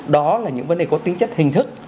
đó là những vấn đề có tính chất hình thức